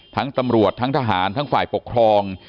ทั้งตำรวจทั้งทหารทั้งฝ่ายปกครอง